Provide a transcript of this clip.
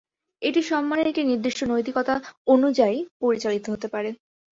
এটি সম্মানের একটি নির্দিষ্ট নৈতিকতা অনুযায়ী পরিচালিত হতে পারে।